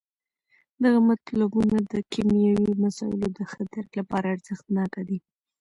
دغه مطلبونه د کیمیاوي مسایلو د ښه درک لپاره ارزښت ناکه دي.